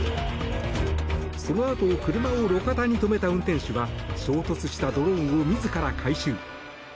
そのあと車を路肩に止めた運転手は衝突したドローンを自ら回収。